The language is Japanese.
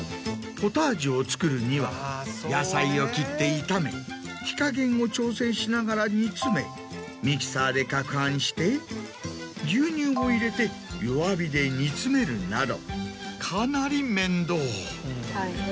ポタージュを作るには野菜を切って炒め火加減を調整しながら煮詰めミキサーでかく拌して牛乳を入れて弱火で煮詰めるなどかなり面倒。